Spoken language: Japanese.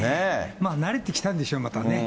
慣れてきたんでしょう、またね。